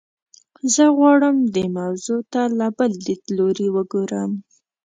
زه غواړم دې موضوع ته له بل لیدلوري وګورم.